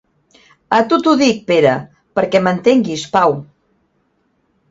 A tu t'ho dic, Pere, perquè m'entenguis, Pau.